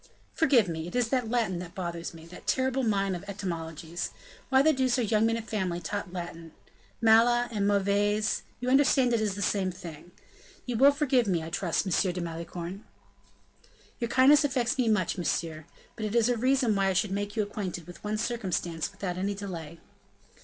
"Forgive me; it is that Latin that bothers me that terrible mine of etymologies. Why the deuce are young men of family taught Latin? Mala and mauvaise you understand it is the same thing. You will forgive me, I trust, M. de Malicorne." "Your kindness affects me much, monsieur: but it is a reason why I should make you acquainted with one circumstance without any delay."